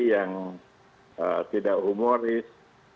yang tidak humoris